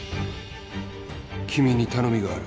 君に頼みがある。